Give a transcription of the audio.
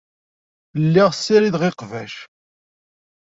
Lliɣ ssirideɣ iqbac.